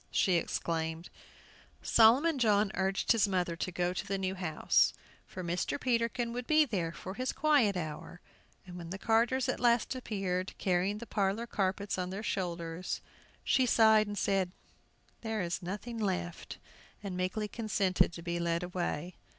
she exclaimed. Solomon John urged his mother to go to the new house, for Mr. Peterkin would be there for his "quiet hour." And when the carters at last appeared, carrying the parlor carpets on their shoulders, she sighed and said, "There is nothing left," and meekly consented to be led away.